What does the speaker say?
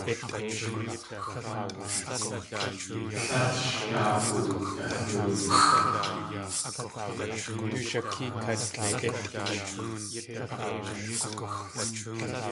Tlél sh daa oodalóoxʼ.